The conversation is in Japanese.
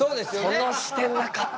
その視点なかったな。